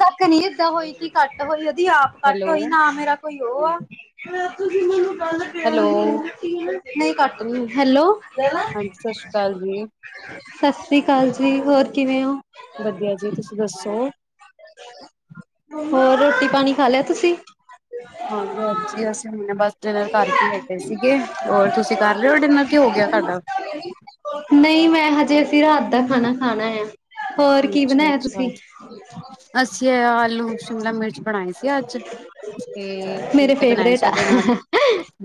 ਤੱਕ ਨਹੀਂ ਏਦਾਂ ਹੋਈ ਕਿ ਘੱਟ ਹੋਈ ਉਹਦੀ ਆਪ ਹੈਲੋ ਕੱਟ ਹੋਈ ਨਾ ਮੇਰਾ ਕੋਈ ਉਹ ਆ [unintelligible] ਹੈਲੋ ਨਹੀਂ ਕੱਟ ਨੀ ਹੋਈ ਹੈਲੋ [unintelligible] ਹਾਂਜੀ ਸਤਿ ਸ਼੍ਰੀ ਅਕਾਲ ਜੀ ਸਤਿ ਸ੍ਰੀ ਅਕਾਲ ਜੀ ਹੋਰ ਕਿਵੇਂ ਓ ਵਧੀਆ ਜੀ ਤੁਸੀਂ ਦੱਸੋ ਹੋਰ ਰੋਟੀ ਪਾਣੀ ਖਾ ਲਿਆ ਤੁਸੀਂ ਹਾਂਜੀ ਹਾਂਜੀ ਅਸੀਂ ਹੁਣੇ ਬਸ ਡਿਨਰ ਕਰਕੇ ਹਟੇ ਸੀਗੇ ਹੋਰ ਤੁਸੀਂ ਕਰ ਰਹੇ ਹੋ ਡਿਨਰ ਕੀ ਹੋ ਗਿਆ ਤੁਹਾਡਾ ਨਹੀਂ ਮੈਂ ਹਜੇ ਅਸੀਂ ਰਾਤ ਦਾ ਖਾਣਾ ਖਾਣਾ ਆ ਹੋਰ ਕੀ ਅੱਛਾ ਬਣਾਇਆ ਅੱਛਾ ਤੁਸੀਂ ਅਸੀਂ ਆਲੂ ਸ਼ਿਮਲਾ ਮਿਰਚ ਬਣਾਈ ਸੀ ਅੱਜ ਤੇ ਮੇਰੇ ਫੁਲਕੇ ਬਣਾਏ ਫੇਵਰੇਟ ਸੀ ਆ ਉਹਦੇ ਨਾਲ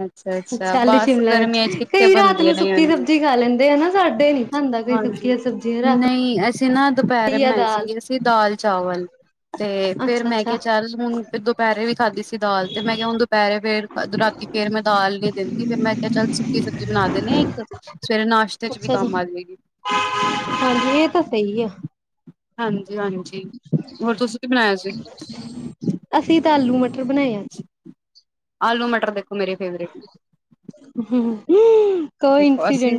ਅੱਛਾ ਅੱਛਾ ਆਲੂ ਬਸ ਸ਼ਿਮਲਾ ਮਿਰਚ ਗਰਮੀਆਂ ਚ ਕਿੱਥੇ ਕਈ ਰਾਤ ਬਣਦੀਆਂ ਨੂੰ ਨੇ ਸੁੱਕੀ ਨੀਆਂ ਸਬਜ਼ੀ ਖਾ ਲੈਂਦੇ ਆ ਨਾ ਸਾਡੇ ਨੀ ਖਾਂਦਾ ਕੋਈ ਹਾਂਜੀ ਸੁੱਕੀਆਂ [unintelligible] ਸਬਜ਼ੀਆਂ ਰਾਤ ਨਹੀਂ ਅਸੀਂ ਨਾ ਦੁਪਹਿਰੇ ਨੂੰ ਆ ਬਣਾਈ ਦਾਲ ਸੀਗੀ ਅਸੀਂ ਦਾਲ ਚਾਵਲ ਤੇ ਤੇ ਫੇਰ ਅੱਛਾ ਮੈਂ ਅੱਛਾ ਕਿਹਾ ਚੱਲ ਹੁਣ ਦੁਪਹਿਰੇ ਵੀ ਖਾਧੀ ਸੀ ਦਾਲ ਤੇ ਮੈਂ ਕਿਹਾ ਹੁਣ ਦੁਪਹਿਰੇ ਫੇਰ ਰਾਤੀ ਫੇਰ ਮੈਂ ਦਾਲ ਨੀ ਦਿੰਦੀ ਫਿਰ ਮੈਂ ਕਿਹਾ ਚੱਲ ਸੁੱਕੀ ਸਬਜ਼ੀ ਬਣਾ ਦੇਣੇ ਇੱਕ ਸਵੇਰੇ ਨਾਸ਼ਤੇ ਚ ਵੀ ਅੱਛਾ ਅੱਛਾ ਕੰਮ ਆ ਜਾਵੇਗੀ ਹਾਂਜੀ ਇਹ ਤਾਂ ਸਹੀ ਆ ਹਾਂਜੀ ਹਾਂਜੀ ਹੋਰ ਤੁਸੀਂ ਕੀ ਬਣਾਇਆ ਸੀ ਅਸੀਂ ਤਾਂ ਆਲੂ ਮ [unintelligible] ਆਲੂ ਮਟਰ ਦੇਖੋ ਮੇਰੇ ਫੇਵਰੇਟ ਨੇ, ਹੂੰ ਦੇਖੋ ਅਸੀਂ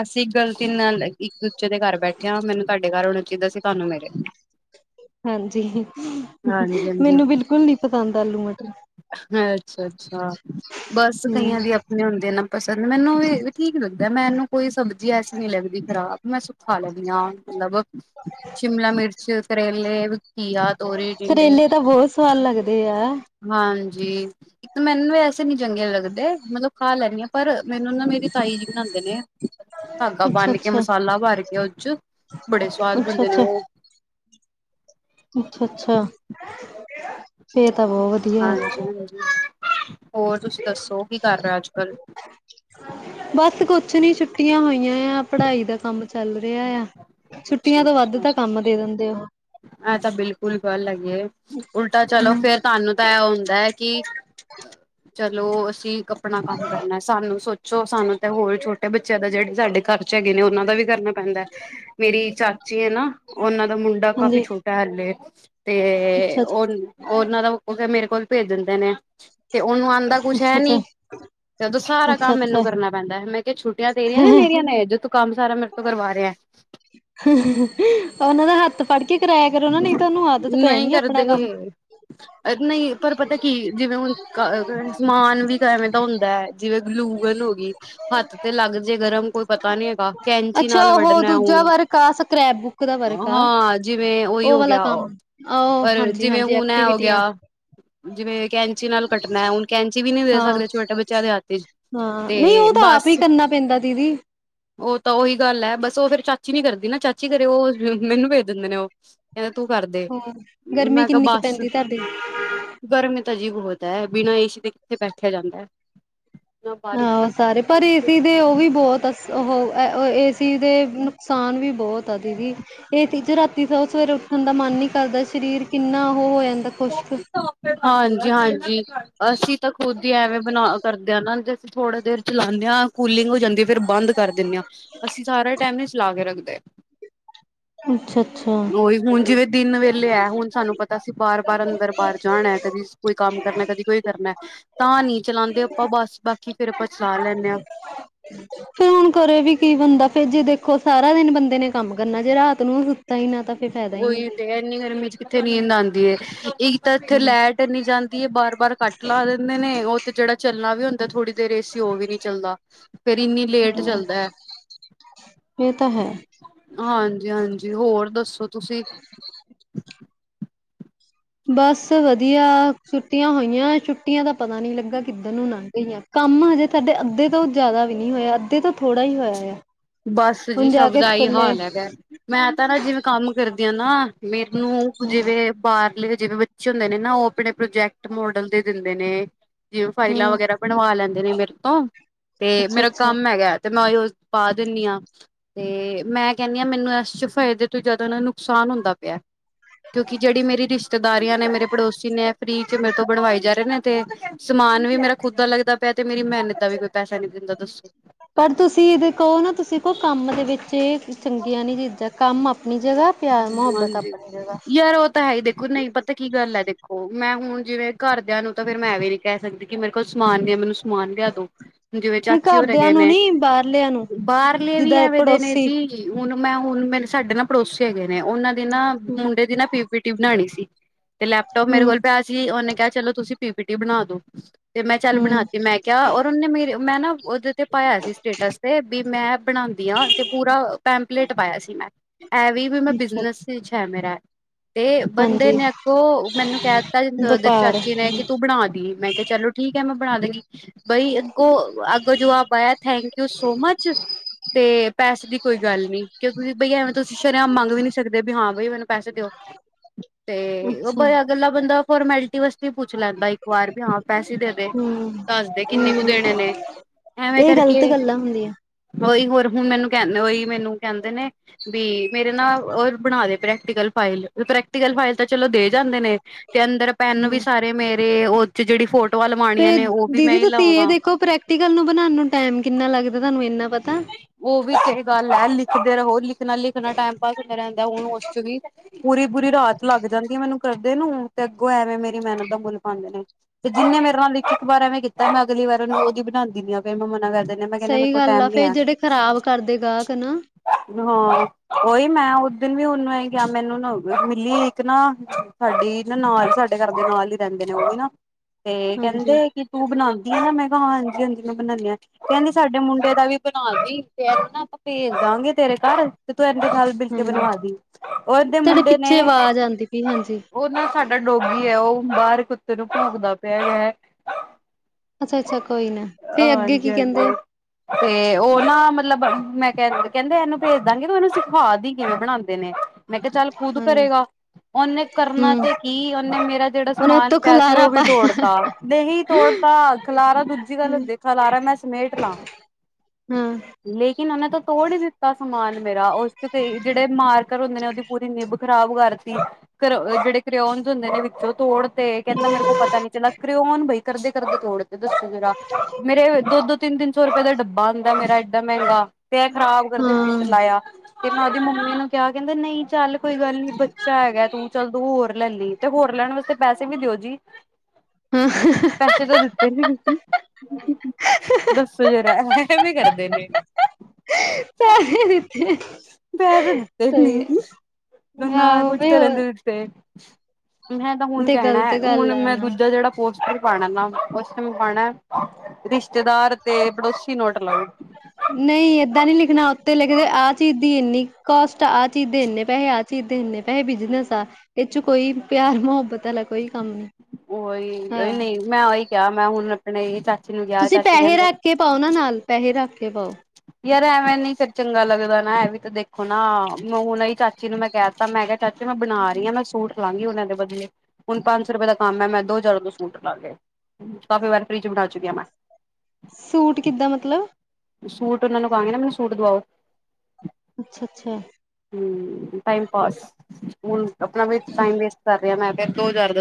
ਅਸੀਂ ਗਲਤੀ ਨਾਲ ਇੱਕ ਦੂਜੇ ਦੇ ਘਰ ਬੈਠੇ ਹਾਂ ਮੈਨੂੰ ਤੁਹਾਡੇ ਘਰ [unintelligible] ਸੀ ਤੁਹਾਨੂੰ ਮੇਰੇ ਹਾਂਜੀ ਹਾਂਜੀ ਹਾਂਜੀ ਮੈਨੂੰ ਬਿਲਕੁਲ ਨੀ ਪਸੰਦ ਆਲੂ ਮਟਰ ਅੱਛਾ ਅੱਛਾ ਬਸ ਹੂੰ ਕਈਆਂ ਦੇ ਆਪਣੇ ਹੁੰਦੇ ਨਾ ਪਸੰਦ ਮੈਨੂੰ ਵੀ ਠੀਕ ਲੱਗਦਾ ਮੈਨੂੰ ਕੋਈ ਸਬ ਜੀ ਐਸੀ ਨਹੀਂ ਲੱਗਦੀ ਖ਼ਰਾਬ ਮੈਂ ਸਭ ਖਾ ਲੈਂਦੀ ਹਾਂ ਮਤਲਬ ਸ਼ਿਮਲਾ ਮਿਰਚ ਕਰੇਲੇ ਘੀਆ ਤੋਰੀ ਟਿਨਡੇ ਕਰੇਲੇ ਤਾਂ ਬਹੁਤ ਸਵਾਦ ਲੱਗਦੇ ਆ ਹਾਂਜੀ ਇੱਕ ਤਾਂ ਮੈਨੂੰ ਵੀ ਐਸੇ ਨੀ ਚੰਗੇ ਲੱਗਦੇ ਮਤਲਬ ਖਾ ਲੈਣੀ ਆਂ ਪਰ ਮੈਨੂੰ ਨਾ ਮੇਰੀ ਤਾਈ ਜੀ ਬਣਾਉਂਦੇ ਨੇ ਧਾਗਾ ਬੰਨ ਕੇ ਅੱਛਾ-ਅੱਛਾ, ਮਸਾਲਾ ਭਰ ਕੇ ਉਹ ਚ ਬੜੇ ਸਵਾਦ ਬਣਦੇ ਨੇ ਉਹ ਅੱਛਾ ਅੱਛਾ [unintelligible] ਫੇਰ ਤਾਂ ਬਹੁਤ ਵਧੀਆ ਹੈ। ਹਾਂਜੀ [unintelligible] ਹੋਰ ਤੁਸੀਂ ਦੱਸੋ ਕੀ ਕਰ ਰਹੇ ਅੱਜ ਕੱਲ ਛੁਟੀਆਂ ਹੋਈਆਂ ਆ ਪੜ੍ਹਾਈ ਦਾ ਕੰਮ ਚੱਲ ਰਿਆ ਆ ਛੁੱਟੀਆਂ ਤੋਂ ਵੱਧ ਤਾਂ ਕੰਮ ਦੇ ਦਿੰਦੇ ਉਹ ਆਹ ਤਾਂ ਬਿਲਕੁਲ ਗੱਲ ਹੈਗੀਏ ਉਲਟਾ ਚਲੋ ਹੂੰ ਫੇਰ ਤੁਹਾਨੂੰ ਤਾਂ ਇਹ ਹੁੰਦਾ ਹੈ ਕਿ ਚਲੋ ਅਸੀਂ ਆਪਣਾ ਕੰਮ ਕਰਨਾ ਸਾਨੂੰ ਸੋਚੋ ਸਾਨੂੰ ਤੇ ਹੋਰ ਛੋਟੇ ਬੱਚੇ ਬੱਚਿਆਂ ਦਾ ਜਿਹੜੇ ਸਾਡੇ ਘਰ ਚ ਹੈਗੇ ਨੇ ਉਹਨਾਂ ਦਾ ਵੀ ਕਰਨਾ ਪੈਂਦਾ ਹੈ ਮੇਰੀ ਚਾਚੀ ਹੈ ਨਾ ਉਹਨਾਂ ਦਾ ਮੁੰਡਾ ਕਾਫੀ ਹਾਂਜੀ ਛੋਟਾ ਹਲੇ ਤੇ ਅੱਛਾ-ਅੱਛਾ, ਉਹ ਉਹਨਾਂ ਦਾ ਉਹ ਮੇਰੇ ਕੋਲ ਭੇਜ ਦਿੰਦੇ ਨੇ ਤੇ ਉਹਨੂੰ ਆਉਂਦਾ ਕੁਛ ਹੈ ਅੱਛਾ-ਅੱਛਾ, ਨੀ ਤੇ ਉਦੋਂ ਸਾਰਾ ਕੰਮ ਮੈਨੂੰ ਅੱਛਾ-ਅੱਛਾ ਕਰਨਾ ਪੈਂਦਾ ਹੈ ਮੈਂ ਕਿਹਾ ਛੁੱਟੀਆਂ ਤੇਰੀਆਂ ਨੇ ਮੇਰੀਆਂ ਨੇ ਜੋ ਤੂੰ ਕੰਮ ਸਾਰਾ ਮੇਰੇ ਤੋਂ ਕਰਵਾ ਰਿਹਾ [unintelligible] ਉਹਨਾਂ ਦਾ ਹੱਥ ਫੜ ਕੇ ਕਰਾਇਆ ਕਰੋ ਨਾ ਨਹੀਂ ਤੇ ਉਨੂੰ ਆਦਤ ਪੈ ਨਹੀਂ ਜਾਨੀ ਆਪਣਾ ਕੰਮ ਕਰਦੇ ਨਹੀਂ ਪਰ ਪਤਾ ਕੀ ਜਿਵੇਂ ਹੁਣ ਸਮਾਨ ਵੀ ਏਂਵੇਂ ਦਾ ਹੁੰਦਾ ਹੈ ਜਿਵੇਂ ਗਲੂ। ਗਲੁ ਗਨ ਹੋ ਗਈ ਹੱਥ ਤੇ ਲੱਗ ਜੇ ਗਰਮ ਕੋਈ। ਪਤਾ ਨੀ ਹੈਗਾ ਕੈਂਚੀ ਅੱਛਾ ਨਾਲ ਉਹ ਵੱਢਣਾ ਦੂਜਾ ਹੁਣ ਵਰਕ ਆ ਸਕ੍ਰੈਪ ਬੁੱਕ ਦਾ ਵਰਕ ਆ ਹਾਂ ਜ। ਜਿਵੇਂ ਉਹੀ ਹੋ ਵਾਲਾ ਗਿਆ ਕੰਮ ਉਹ ਉਹ ਪਰ ਹਾਂਜੀ ਜਿਵੇਂ ਹਾਂਜੀ ਹੁਣ ਐ ਹੋ ਗਿਆ ਐਕਟੀਵਿਟੀਆਂ ਜਿਵੇਂ ਕੈਂਚ। ਕੈਂਚੀ ਨਾਲ ਕੱਟਣਾ ਹੈ ਹੁਣ ਕੈਂਚੀ ਵੀ ਨਹੀਂ ਦੇ ਹਾਂ ਸਕਦੇ ਛੋਟੇ ਬੱਚਿਆਂ ਦੇ ਹੱਥ ਵਿਚ। ਹਾਂ ਨਹੀਂ ਉਹ ਤਾਂ ਆਪ ਹੀ ਕਰਨਾ ਪੈਂਦਾ ਦੀਦੀ। ਉਹ ਤਾਂ ਉਹੀ ਗੱਲ ਹੈ ਬਸ ਉਹ ਫੇਰ ਚਾਚੀ ਨੀ ਕਰਦੀ ਨਾ ਚਾਚੀ ਕਰੇ ਉਹ ਮੈਨੂੰ ਭੇਜ ਦਿੰਦੇ ਨੇ ਉਹ ਕਹਿੰ ਤੂੰ ਕਰਦੇ ਹਾਂ ਗਰਮੀ ਮੈਂ ਕਿਹਾ ਕਿੰਨੀ ਕੁ ਬੱਸ ਪੈਂਦੀ ਤੁਹਾਡੀ ਗਰਮੀ ਤਾਂ ਜੀ ਬਹੁਤ। ਬਿਨਾ ਏ ਸੀ ਦੇ ਕਿੱਥੇ ਬੈਠਿਆ ਜਾਂਦਾ ਹੈ। ਨਾ ਬਾਰਿਸ਼ ਦਾ ਆਹੋ ਸਾਰੇ ਪਰ ਏ ਸੀ ਦੇ ਉਹ ਵੀ ਬਹੁਤ। ਉਹ ਏ ਸੀ ਦੇ ਨੁਕਸਾਨ ਵੀ ਬਹੁਤ ਆ ਦੀਦੀ ਇਹ ਚੀਜ਼ ਰਾਤੀ ਤਾਂ ਉਹ ਸਵੇਰੇ। ਉਠਣ ਦਾ ਮਨ ਨਹੀਂ ਕਰਦਾ ਸ਼ਰੀਰ ਕਿੰਨਾ ਉਹ ਹੋਇਆ। ਹਾਂਜੀ ਹਾਂਜੀ ਅਸੀਂ ਤਾਂ ਖੁਦ ਹੀ ਐਵੇਂ ਬਣਾ ਕਰਦੇ ਹ ਨਾ। ਥੋੜਾ ਦੇਰ ਚਲਾਉਦੇ ਹਾਂ ਕੂਲਿੰਗ ਹੋ ਜਾਂਦੀ ਹੈ ਫ਼ਿਰ ਬੰਦ ਕਰ ਦਿੰਦੇ ਹਾਂ ਅਸੀਂ ਸਾਰਾ ਟਾਈਮ ਨ ਚਲਾ ਕੇ ਰੱਖਦੇ। ਤੇ। ਅੱਛਾ ਅੱਛਾ ਉਹੀ ਹੁਣ ਜਿਵੇਂ ਦਿਨ ਵੇਲੇ ਹੈ ਹੁਣ ਸਾਨੂੰ ਪਤਾ ਅਸੀ ਬਾਰ। ਪਰ ਅੰਦਰ ਬਾਹਰ ਜਾਣਾ ਕਦੀ ਕੋਈ ਕੰਮ ਕਰਨਾ ਕਦੀ ਕੋਈ ਕਰਨਾ ਤਾਂ ਨੀ ਚਲਾਉਂਦੇ ਆਪਾਂ ਬਸ ਬਾਕੀ। ਕੀ ਫੇਰ ਆਪਾਂ ਚਲਾ ਲੈਂਦੇ ਹਾਂ। ਹੁਣ ਕਰੋ ਵੀ ਕੀ ਬੰਦਾ ਫਰ ਜੇ। ਸਗੋ ਸਾਰਾ ਦਿਨ ਬੰਦੇ ਨੇ ਕੰਮ ਕਰਨਾ ਜੇ ਰਾਤ ਨੂੰ। ਹੀ ਨਾ ਤਾਂ ਫਿਰ ਫਾਇਦਾ ਹੀ ਨਹੀਂ ਉਹੀ ਤੇ ਇਨੀ ਗ਼ਰਮੀ ਚ ਕਿੱਥੇ ਨੀਂਦ ਆਂਦੀ ਏ। ਇੱਕ ਤਾਂ ਇੱਥੇ ਕੋਈ। ਲੈਟ ਏਨੀ ਜਾਂਦੀ ਹੈ ਬਾਰ ਬਾਰ ਕੱਟ ਲਾ ਦਿੰਦੇ ਨੇ ਉਹਥੇ ਜਿਹੜਾ ਚੱਲਣਾ ਵੀ ਹੁੰਦਾ ਦਾਂ ਥੋੜ੍ਹੀ ਦੇਰ ਏ ਸੀ ਉਹ ਵੀ ਨੀ ਚੱਲਦਾ। ਫੇਰ ਇੰਨੀ ਲੇਟ ਹਾਂ ਚੱਲਦਾ ਹੈ ਇਹ ਤਾਂ ਹੈ। ਹਾਂ। ਹਾਂਜੀ ਹਾਂਜੀ ਹੋਰ ਦੱਸੋ ਤੁਸੀਂ। ਬਸ ਵਧੀਆ ਛੁੱਟੀਆਂ ਹੋਈਆਂ ਛੁੱਟੀਆਂ ਦਾ ਪਤਾ ਨੀ ਲੱਗਾ ਕਿੱਧਰ ਨੂੰ ਲੰਗ ਗਈਆਂ। ਕੰਮ ਹਜੇ ਤੁਹਾਡੇ ਅੱਧੇ ਤੋਂ ਜ਼ਿਆਦਾ ਵੀ ਨੀ ਹੋਇਆ ਅੱਧੇ ਤਾਂ ਥੋੜਾ ਹੀ ਹੋਇਆ ਆ। ਬਸ ਜੀ ਹੁਣ ਜਾ ਸਭ ਕੇ ਦਾ ਏਹੀ ਸਕੂਲੇ ਹਾਲ ਹੈਗਾ ਮੈਂ ਤਾਂ ਨਾ ਜਿਵੇਂ ਕੰਮ ਕਰਦੀ ਹਾਂ ਨਾ ਮੇ। ਨੂੰ ਜਿਵੇਂ ਬਾਹਰਲੇ। ਜਿਵੇਂ ਬੱਚੇ ਹੁੰਦੇ ਨੇ ਨਾ ਉਹ ਆਪਣੇ ਪ੍ਰੋਜੈਕਟ ਮੋਡਲ ਦੇ ਦਿੰਦੇ ਨੇ ਜਿਵੇਂ ਫਾਈਲਾਂ ਹੂੰ ਵਗੈਰਾ ਬਣਵਾ ਲੈਂਦੇ। ਨੇ ਮੇਰੇ ਤੋਂ ਤੇ ਮੇਰਾ ਅੱਛਾ-ਅੱਛਾ। ਕੰਮ ਹੈਗਾ ਤੇ ਮੈਂ ਉ। ਪਾ ਦਿੰਨੀ ਹਾਂ ਤੇ ਮੈਂ ਕਹਿੰਦੀ ਹਾਂ ਮੈਨੂੰ ਇਸ ਚ ਫਾਇਦੇ ਤੋਂ ਜ਼ਿਆਦਾ ਨੁਕਸਾਨ ਹੁੰਦਾ ਪਿਆ। ਕਿਉਂਕਿ ਜਿਹੜੀ ਮੇਰੀ ਰਿਸ਼ਤੇਦਾਰੀਆਂ ਨੇ ਮੇਰੇ ਪੜੋਸੀ ਨੇ। ਫਰੀ ਚ ਮੇਰੇ ਤੋਂ ਬਣਵਾਏ ਜਾ ਰਹੇ ਨੇ ਤੇ ਸਮਾਨ ਵੀ ਮੇਰਾ ਖੁਦ ਦਾ ਲੱਗਦਾ ਪਿਆ ਤੇ ਮੇਰੀ ਮਿਹਨਤ ਦਾ ਵੀ ਕੋਈ ਪੈਸਾ ਨੀ। ਦਾ ਦੱਸੋ। ਪਰ ਤੁਸੀਂ ਇਹਦੇ ਕਹੋ ਨਾ ਤੁਸੀਂ ਕਹੋ ਕੰਮ ਦੇ ਵਿੱਚ ਇਹ ਚੰਗੀਆਂ ਨੀ ਚੀਜ਼ਾਂ ਕੰਮ ਅਪ। ਹਾਂਜੀ ਯਾਰ ਉਹ ਤਾਂ ਹੈ ਹੀ ਦੇਖੋ ਨਹੀਂ ਪਤਾ ਕੀ ਗੱਲ ਹੈ ਦੇਖੋ ਮੈਂ। ਹੁਣ ਜਿਵੇਂ ਘਰਦਿਆਂ ਨੂੰ ਤਾਂ ਫ਼ਿਰ ਮੈਂ ਇਹ ਵੀ ਨੀ ਕਹਿ ਸਕਦੀ ਕਿ ਮੇਰੇ ਕੋਲ ਸਮਾਨ ਵੀ ਆ ਮੈਨੂੰ। ਮਾਨ ਲਿਆ ਦੋ ਜਿਵੇਂ ਨੀ ਚਾਚੀ ਹੋ ਘਰਦਿਆਂ ਹੈਗੇ ਨੂੰ ਨੇ। ਨੀ ਬਾਹਰਲਿਆਂ ਨੂੰ ਬਾਹਰਲੇ ਵੀ ਜਿੱਦਾਂ ਐਵੇਂ ਦੇ ਨੇ ਪੜੋਸੀ ਜੀ ਹੁਣ। ਮੈਂ ਹੁਣ ਮੇਨੂੰ ਸਾਡੇ ਨਾ ਪੜੋਸਸੀ ਹੈਗੇ ਨੇ ਉਹਨਾਂ ਦੀ ਨਾ ਹੂੰ, ਮੁੰਡੇ ਦੀ ਨਾ ਪੀ ਪੀਟੀ ਬਣਾਉਣੀ ਸੀ। ਤੇ ਲੈਪਟੋਪ ਮੇਰੇ ਕੋਲ ਹੂੰ, ਪਿਆ ਸੀ ਉਹਨੇ ਕਿਹਾ ਚਲੋ ਤੁਸੀਂ ਪੀ ਪੀ ਟੀ ਬਣਾ ਦੋ ਤੇ ਮੈਂ ਚੱਲ ਹੂੰ ਬਣਾਤੀ ਮੈਂ ਕਿਹਾ ਔਰ ਉਹਨੇ ਮੇਰੀ ਮੈਂ ਨਾ ਉਹਦੇ ਤੇ ਪਾਇਆ ਸੀ ਸਟੇਟਸ ਤੇ ਵੀ ਮੈਂ। ਬਣਾਉਦੀ ਹਾਂ ਤੇ ਪੂਰਾ ਪੈਂਪਲੇਟ ਪਾਇਆ ਸੀ ਮੈਂ ਐ ਵੀ ਵੀ ਮੈਂ ਅੱਛਾ ਬਿਜਨਸ ਵਿੱਚ ਹੈ ਮੇਰਾ। ਤੇ ਬੰਦੇ ਹਾਂਜੀ ਨੇ ਅੱਗੋਂ ਮੈਨੂੰ ਕਹਿ ਦਿੱਤਾ ਵਪਾਰ ਚਾਚੀ ਨੇ ਕਿ ਤੂੰ ਬਣਾ ਦੀ ਮੈਂ ਕਿਹਾ ਚਲੋ। ਠੀਕ ਹੈੈਂ। ਬਈ ਅੱਗੋ ਅਗੋਂ ਜਵਾਬ ਆਇਆ ਥੈਂਕ ਯੂ ਸੋ ਮਚ। ਤੇ ਪੈਸੇ ਦੀ ਕੋਈ ਗੱਲ ਨੀ ਕਿਉਂਕ ਬਈ ਐਵੇਂ ਤੁਸੀਂ ਸ਼ ਮੰਗ ਵੀ ਨੀ ਸਕਦੇ ਬੀ ਹਾਂ ਬਈ ਮੈਨੂੰ ਪੈਸੇ ਦਿਓ ਤੇ ਉਹ ਅੱਛਾ ਬਆ ਹੂੰ, ਗੱਲਾ ਬੰਦਾ ਫੋਰਮੈਲਟੀ ਵੱਸ ਪੁੱਛ ਲੈਂਦਾ ਇੱਕ ਵਾਰ ਵੀ ਹਾਂ ਪੈਸੇ ਦੇ ਦੇ ਦੱਸਦੇ ਕਿੰਨੇ ਕੁ ਹੂੰ ਦੇਣੇ ਨੇ ਐਵੇਂ ਇਹ ਗ਼ਲਤ ਕਰਕੇ ਗੱਲਾਂ ਹੁੰਦੀਆਂ ਉਹੀ ਹੋਰ ਹੁਣ ਮੈਨੂੰ ਕਹਿੰ ਉਹੀ ਮੈਨੂੰ ਕਹਿੰਦੇ ਨੇ ਬੀ ਮੇਰੇ ਨਾਲ ਉਹ ਬਣਾ ਦੇ ਪ੍ਰੈਕਟੀਕਲ ਫਾਈਲ ਪ੍ਰੈਕਟੀਕਲ ਫਾਈਲ ਤਾਂ ਚਲੋ ਦੇ ਜਾਂਦੇ ਨੇ ਤੇ ਅੰਦਰ ਪੈਨ ਵੀ ਹੂੰ ਸਾਰੇ ਮੇਰੇ ਉਹ ਚ ਜਿਹੜੀ ਫੋੋ ਤੇ ਦੀਦੀ ਤੁਸੀਂ ਇਹ ਦੇਖੋ ਪ੍ਰੈਕਟੀਕਲ ਨੂੰ ਬਣਾਉਣ ਨੂੰ ਟੈਮ ਕਿੰਨਾ ਲੱਗਦਾ ਤੁਹਾਨੂੰ ਇੰਨਾ ਪਤਾ [unintelligible] ਉਹ ਵੀ ਸਹੀ ਗੱਲ ਹੈ ਲਿਖਦੇ ਰਹੋ ਲਿਖਣਾ ਲਿਖਣਾ ਟਾਈਮ ਪਾਸ ਹੁੰਦਾ ਰਹਿੰਦਾ ਹੁਣ ਉਸ ਚ ਵੀ ਪੂਰੀ ਪੂਰੀ ਰਾਤ ਲੱਗ ਜਾਂਦੀ ਆ ਮੈਨੂੰ ਕਰਦੇ ਨੂੰ ਤੇ ਅੱਗੋਂ ਐਵੇਂ ਮੇਰੀ ਮਿਹਨਤ ਦਾ ਮੁੱਲ ਪਾਂਦੇ ਨੇ ਤੇ ਜਿੰਨੇ ਮੇਰੇ ਨਾਲ ਲਿਖ ਇੱਕ ਵਾਰ ਐਵੇਂ ਕੀਤਾ ਮੈਂ ਅਗਲੀ ਵਾਰਨ ਉਹਦੀ ਬਣਾਂਦੀ ਨੀ ਹਾਂ ਫਿਰ ਮਨਾ ਕਰ ਮੈਂ ਕੇਨੀ ਮੇਰੇ ਸਹੀ ਕੋਲ ਗੱਲ ਟੈਮ ਆ ਨੀ ਫੇਰ ਹੈ ਜਿਹੜੇ ਖ਼ਰਾਬ ਕਰਦੇ ਗਾਹਕ ਨਾ ਹਾਂ ਉਹੀ ਮੈਂ ਉ ਦਿਨ ਵੀ ਉਹਨੂੰ ਇਹੀ ਕਿਹਾ ਮੈਨੂੰ ਨਾ ਮਿਲੀ ਇੱਕ ਨਾ ਸਾਡੀ ਨਾ ਨਾਲ ਸਾਡੇ ਘਰ ਦੇ ਨਾਲ ਹੀ ਰਹਿੰਦੇ ਨੇ ਉਹ ਵੀ ਨਾ ਤੇ ਹਾਂਜੀ ਕਹਿੰਦੇ ਕਿ ਤੂੰ ਬਣਾ ਮੈਂ ਕਿਹਾ ਹਾਂਜੀ ਹਾਂਜੀ ਮੈਂ ਬਣਾਣੀ ਹਾਂ ਕਹਿੰਦੀ ਸਾਡੇ ਮੁੰਡੇ ਦਾ ਵੀ ਬਣਾ ਲਈ ਫੇਰ ਨਾ ਆਪਾਂ ਭੇਜ ਦਾਂਗੇ ਤੇਰੇ ਘਰ ਤੂੰ ਇੰਦੇ ਨਾਲ ਮਿਲ ਕੇ ਹਾਂਜੀ ਬਣਵਾ ਦੀ ਉਹਦੇ ਤੁਹਾਡੇ ਮੁੰਡੇ ਨੇ ਪਿੱਛੇ ਆਵਾਜ਼ ਆਉਂਦੀ ਪਈ ਹਾਂਜੀ ਉਹ ਨਾ ਸਾਡਾ ਡੋਗੀ ਹੈ ਉਹ ਬਾਹਰ ਕੁੱਤੇ ਨੂੰ ਭੋਗਦਾ ਪਿਆ ਹੈ ਅੱਛਾ ਅੱਛਾ ਕੋਈ ਨਾ ਤੇ ਅੱਗੇ ਹਾਂਜੀ ਕੀ ਕਹਿੰਦੇ ਆ ਹਾਂਜੀ ਤੇ ਉਹ ਨਾ ਮਤ ਮਤਲਬ ਮੈਂ ਕਹ ਕਹਿੰਦੇ ਇਹਨੂੰ ਭੇਜ ਦਾਂਗੀ ਤੂੰ ਇਹਨੂੰ ਸਿਖਾ ਦੀ ਕਿਵੇਂ ਬਣਾਉਂਦੇ ਨੇ। ਮੈਂ ਕਿਹਾ ਚੱਲ ਖੁਦ ਹਾਂਜੀ ਕਰੇਗਾ ਉਹਨੇ ਕਰਨਾ ਹੂੰ ਤੇ ਕੀ ਉਹਨੇ ਮੇਰੇ। ਜਿਹੜਾ ਉਹਨੇ ਸਮਾਨ ਉਤੋਂ ਪਿਆ ਸੀ ਖਲਾਰਾ ਉਹ ਵੀ ਪਾਇਆ ਤੋੜਤਾ ਨਹੀਂ ਤੋੜਤਾ ਖਲਾਰਾ ਦੂਜੀ ਗੱਲ ਹੁੰਦੇ ਖਲਾਰਾ ਮੈਂ ਸਮੇਟ ਲਾ ਹਾਂ ਲੇਕਿਨ ਉਹਨੇ ਤਾਂ ਤੋੜ ਹੀ ਦਿੱਤਾ ਸਮਾਨ ਮੇਰਾ ਉਸ ਚ ਕਈ ਜਿਹੜੇ ਮਾਰਕਰ ਹੁੰਦੇ ਨੇ ਉਹਦੀ ਪੂਰੀ ਨਿਬ ਖ਼ਰਾਬ ਕਰਤੀ ਕ੍ਰੋ ਜਿਹੜੇ ਕਰਿਓਨ ਹੁੰਦੇ ਨੇ ਵਿੱਚੋ ਤੋੜ ਤੇ ਕਹਿੰਦਾ ਮੇਰੇ ਕੋਲ ਪਤਾ ਨੀ ਚਲਾ ਕਰਿਓ ਕੌਣ ਬਈ ਕਰਦੇ ਕਰਦੇ ਤੋੜਤੇ ਦੱਸੋ ਜਰਾ ਮੇਰੇ ਦੋ ਦੋ ਤਿੰਨ ਤਿੰਨ ਸੌ ਰੁਪਏ ਦੇ ਡੱਬ ਬਾਣਦਾ ਮੇਰਾ ਏਡਾ ਮਹਿੰਗਾ ਤੇ ਐਂ ਖ਼ਰਾਬ ਕਰਦੇ ਮਿੰਟ ਹਾਂ ਲਾਇਆ ਫ ਮੈਂ ਉਹਦੀ ਮੰਮੀ ਨੂੰ ਕਿਹਾ ਕਹਿੰਦਾ ਨਹੀਂ ਚੱਲ ਕੋਈ ਗੱਲ ਨੀ ਬੱਚਾ ਹੈਗਾ ਤੂੰ ਚਲ ਤੁ ਹੋਰ ਲੈ ਲੀ ਤੇ ਹੋਰ ਲੈਣ ਵਾਸਤੇ ਪੈਸੇ ਵੀ ਦਿਓ ਜੀ ਹਾਂ ਪੈਸੇ ਤਾਂ ਦਿੱਤੇ ਨੀ ਦੱਸੋ ਜਰਾ ਇਵੇਂ ਕਰਦੇ ਨੇ ਪੈਸੇ ਦਿੱਤੇ ਪੈਸੇ ਦਿੱਤੇ ਵੀ ਸਹੀ ਹੈ। ਨੀ, ਨਾ ਆਹੋ ਕੁਝ ਵੀ ਕਰਨ ਦੇ ਉਹ ਦਿੱਤੇ ਮੈਂ ਤਾਂ ਹੁਣ ਤੇ ਕਹਿਣਾ ਗ਼ਲਤ ਹੈ ਗੱਲ ਹੁਣ ਆ ਮੈਂ ਨਾ। ਦੂਜਾ ਜਿਹੜਾ ਪੋਸਟਰ ਪਾਣਾ [unintelligible] ਪਾਣਾ ਰਿਸ਼ਤੇਦਾਰ ਤੇ ਪੜੋਸੀ ਨੋਟ ਅਲਾਊਡ ਤੇ ਲਿਖਦੇ ਆਹ ਚੀਜ਼ ਦੀ ਇੰਨੀ ਕਸਟ ਆ ਆਹ ਚੀਜ਼ ਦੇ ਇੰਨੇ ਪੈਸੇ ਆਹ ਚੀਜ਼ ਦੇ ਇੰਨੇ ਪੈਸੇ ਬਿਜਨਸ ਆ ਕੋਈ ਪਿਆਰ ਮੁਹੱਬਤ ਵਾਲਾ ਕੋਈ ਕੰਮ ਨਹੀਂ ਉਓਹ ਉਹੀ ਨਹੀਂ ਮੈਂ ਉਹੀ ਕਿਹਾ ਮੈਂ ਹੁਣ ਆਪਣੇ ਚਾਚ ਤੁਸੀ ਪੈਹੇ ਰੱਖ ਕੇ ਪਾਓ ਨਾ ਨਾਲ ਪੈਹੇ ਰੱਖ ਕੇ ਪਾਓ । ਯਾਰ ਐਵੇ ਨੀ ਫੇਰ ਚੰਗਾ ਲੱਗਦਾ ਨਾ ਇਹ ਵੀ ਤੇ ਦੇਖੋ ਨਾ ਹੁਣ ਈ ਚਾਚੀ ਨੂੰ ਮੈ ਕਹਿ ਤਾ ਮੈ ਕਿਹਾ ਚਾਚੀ ਮੈ ਬਣਾ ਰਹੀ ਆ ਮੈ ਸੂਟ ਲਾਗੀ ਹੁਣ ਇਹਦੇ ਬਦਲੇ, ਹੁਣ ਪੰਜ ਸੌ ਰੁਪਏ ਦਾ ਕੰਮ ਐ ਮੈ ਦੋ ਹਜ਼ਾਰ ਦਾ ਸੂਟ ਲਾਕੇ ਕਾਫੀ ਵਾਰ ਫ੍ਰੀ ਚ ਬਣਾ ਚੁੱਕਿ ਆ ਮੈਂ ਸੂਟ ਕਿੱਦਾ ਮਤਲਬ? ਸੂਟ ਉਹਨਾ ਨੂੰ ਕਹਾਗੀ ਨਾ ਮੈਨੂੰ ਸੂਟ ਦਵਾਓ । ਅੱਛਾ -ਅੱਛ । ਹੂੰ ਟਾਈਮ ਪਾਸ ਹੁਣ ਆਪਣਾ ਵੀ ਟਾਇਮ ਵੇਸਟ ਕਰ ਰਹੇ ਆ - [inaudible]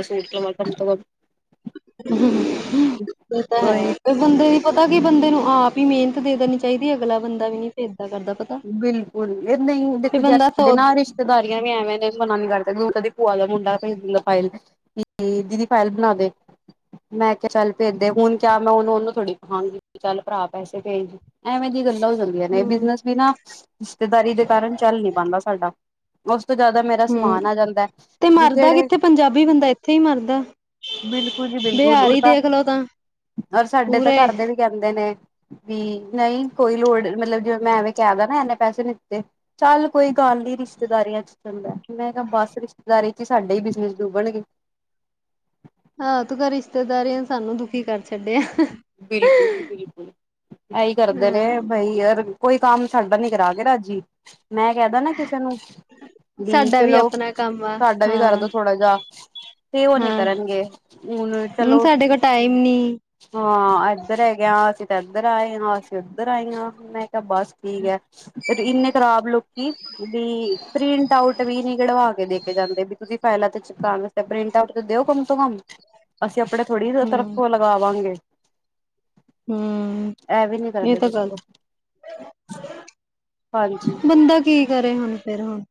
ਇਹ ਤਾ ਹੈ ਕਮ ਕੋਈ ਬੰਦੇ - [inaudible] ਪਤਾ ਕਿ ਬੰਦੇ ਨੂੰ ਆਪ ਈ ਮਿਹਨਤ ਦੇ ਦੇਣੀ ਚਾਹੀਦੀ ਏ ਅਗਲਾ ਬੰਦਾ ਵੀ ਨੀ ਫੇਰ- ਕਰਦਾ ਪਤਾ ਬਿਲਕੁਲ ਇਹ ਨਹੀ ਤੇ ਦੇਖੋ ਨਾ ਬੰਦਾ ਸਾਡੇ ਸੋ ਨਾ ਰਿਸ਼ਤੇਦਾਰੀਆ ਵੀ ਏਵੇ ਨੇ ਮਨਾ ਨੀ ਕਰਦੇ ਕਿਉ ਕਦੇ, ਭੂਆ ਦਾ ਮੁੰਡਾ ਭੇਜ ਦਿੰਦਾ ਫਾਈਲ ਕਿ ਦੀਦੀ ਫਾਈਲ ਬਨਾ ਦੇ । ਮੈ ਕਿਹਾ ਚੱਲ ਭੇਜਦੇ ਹੁਨ ਕਿਆ ਮੈ ਉਹਨੂੰ -ਉਹਨੂੰ ਥੋੜੀ ਕਹਾਂਗੀ ਚੱਲ ਭਰਾ ਪੈਸੇ ਦੇ ਐਵੇ ਦੀ ਗੱਲ- ਲਾ ਹੋ ਜਾਂਦੀਆ ਨੇ ਹੂੰ-ਹੂੰ ਬਿਜਨਸ ਵੀ ਨਾ ਰਿਸ਼ਤੇਦਾਰੀ ਦੇ ਕਾਰਨ ਚੱਲ ਨੀ ਪਾਂਦਾ ਸਾਡਾ ਬ - ਤੋ ਜਿਆਦਾ ਮੇਰਾ ਸਮਾਨ ਆ ਜਾਂਦਾ ਤੇ ਮਰਦਾ ਜਿਹੜੇ, ਕਿੱਥੇ ਪੰਜਾਬੀ ਬੰਦਾ ਇੱਥੇ ਹੀ ਮਰਦਾ। ਬਿਲਕੁਲ ਜੀ ਬਿਲਕੁਲ ਬਿਹਾਰੀ । ਦੇਖਲੋ ਤਾਂ ਰ ਸਾਡੇ ਤਾ ਪੂਰੇ ਘਰ ਦੇ ਵੀ ਕਹਿੰਦੇ ਨੇ, ਵੀ ਨਹੀ ਕੋਈ ਲੋੜ ਮਤਲਬ ਜ ਮੈ ਐਵੇ, ਕਹਿੰਦਾ ਨਾ ਇੰਨੇ ਪੈਸੇ ਨੀ ਦਿੱਤੇ, ਚੱਲ ਕੋਈ ਗੱਲ ਨੀ ਰਿਸ਼ਤੇਦਾਰੀਆ 'ਚ ਚਲਦੈ । ਮੈ ਕਿਹਾ ਬਸ ਰਿਸ਼ਤੇਦਾਰ- ਸਾਡਾ ਈ ਬਿਜਨਸ ਡੋਬਣਗੇ । ਆ ਤੂੰ ਕਿਹ ਰਿਸ਼ਤੇਦਾਰੀਆ ਨੇ ਸਾਨੂੰ ਦੁਖੀ ਕਰ ਛੱਡਿਆ । ਬਿਲਕੁਲ ਜੀ ਬਿਲਕੁਲ । ਇਹੀ ਕਰਦੇ ਨੇ ਹਾਂ ਬਈ ਅਰ, ਕੋਈ ਕੰਮ ਸਾਡਾ ਨੀ ਕਰਾ ਕੇ ਰਾਜੀ ਮੈ ਕਹਿ ਦਾ ਨਾ ਕਿਸੇ ਨੂੰ, ਵੀ ਸਾਡਾ ਚਲੋ ਆਪਣਾ ਕੰਮ ਆ ਸਾਡਾ ਵੀ ਹਾਂ ਕਰਦੋ ਥੋੜਾ ਜਾ। ਤੇ ਉਹ ਨੀ ਹਾਂ ਕਰਨਗੇ ਹੁਨ ਹੁਣ ਚਲੋ ਸਾਡੇ ਕੋਲ ਟਾਈਮ ਨੀ । ਹਾਂ ਇੱਧਰ ਹੈਗੇ ਆ ਅਸੀ ਤੇ ਇੱਧਰ ਆਏ ਆ ਅਸੀ ਉਧਰ ਆਏ ਆ ਮੈ, ਬਸ ਠੀਕ ਏ ਤੇ ਇੰਨੇ ਖਰਾਬ ਲੋਕੀ ਵੀ ਪ੍ਰਿੰਟ ਆਊਟ ਵੀ ਨੀ ਕਢਵਾ ਕੇ ਦੇ ਕੇ - ਜਾਂਦੇ ਵੀ ਤੁਸੀ ਫਾਇਲਾ ਤੇ ਚਿਪਕਾਨ ਵਾਸਤੇ ਪ੍ਰਿੰਟ ਆਊਟ ਤੇ ਦਿਓ ਕੰਮ ਸੇ ਕੰਮ। ਅਸੀ ਆਪਣੇ ਥੋੜੀ ਤਰਫ ਤੋ ਲਗਾਵਾਂਗੇ । ਹੂੰ ਇਹ ਵੀ ਨੀ ਇਹ ਕਰਦੇ ਤੇ ਦੱਸੋ ਗਲਤ ਹਾਂਜੀ [inaudible] ਬੰਦਾ ਕੀ ਕਰੇ ਹੁਣ ਫੇਰ ਹੁਣ ।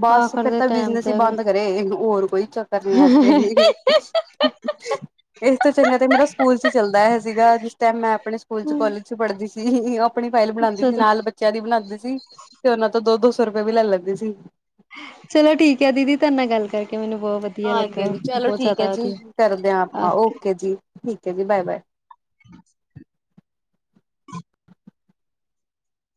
ਬਸ ਫੇਰ ਤਾ ਬਿਜਨਸ ਤੇ ਈ ਹੈਗੇ ਬੰਦ ਕਰੇ ਹੋਰ ਕੋਈ ਚੱਕਰ ਨੀ ਆ ਇਥੇ। ਅ [inaudible] [inaudible] ਇਸ ਤੋ ਚੰਗਾ ਤੇ ਮੇਰਾ ਸਕੂਲ ਚ ਈ ਚੱਲਦਾ ਸੀਗਾ ਜਿਸ ਟਾਈਮ ਮੈ ਆਪਣੇ ਸਕੂਲ ਚ ਕੋਲਜ ਚ ਪੜ੍ਹਦੀ ਸੀ, ਆਪਣੀ ਫਾਈਲ ਬਣਾਦੀ ਅੱਛਾ ਸੀ ਨਾਲ ਬੱਚਿਆ ਦੀ ਬਣਾਦੀ ਸੀ ਤੇ ਉਹਨਾ ਤੋ ਦੋ- ਦੋ ਸੌ ਰੁਪਿਆ ਵੀ ਲੈ ਲੈਂਦੀ ਸੀ । [unintelligible] [inaudible] ਚਲੋ ਠੀਕ ਏ ਦੀਦੀ ਤੁਹਾਡੇ ਨਾਲ ਗੱਲ ਕਰਕੇ ਮੈਨੂੰ ਬਹੁਤ ਵਧੀਆ ਹਾਂਜੀ ਲੱਗਾ ਹਾਂਜੀ ਚਲੋ ਬਹੁਤ ਠੀਕ ਹੈ ਜਿਆਦਾ ਜੀ ਕਰਦੇ ਹਾਂ ਆਪਾਂ ਅ। ਓਕੇ ਜੀ ਠੀਕ ਏ ਜੀ ਬਾਏ - ਬਾਏ । [unintelligible] [inaudible]